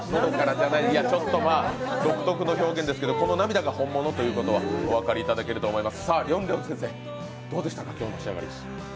ちょっとまあ、独特の表現ですけどこの涙が本物ということはお分かりいただけると思います。